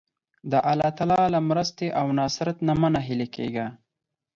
د الله تعالی له مرستې او نصرت نه مه ناهیلی کېږه.